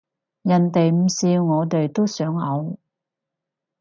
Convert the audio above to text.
人哋唔笑我自己都想嘔